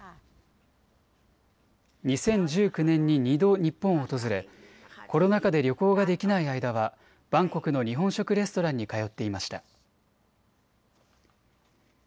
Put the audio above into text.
２０１９年に２度、日本を訪れコロナ禍で旅行ができない間はバンコクの日本食レストランに通っていました。